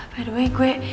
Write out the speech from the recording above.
kan dia gak bisa liat